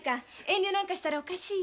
遠慮なんかしたらおかしいよ。